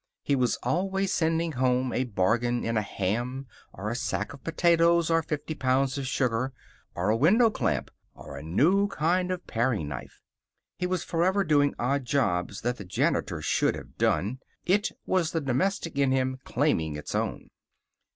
He was always sending home a bargain in a ham, or a sack of potatoes, or fifty pounds of sugar, or a window clamp, or a new kind of paring knife. He was forever doing odd jobs that the janitor should have done. It was the domestic in him claiming its own.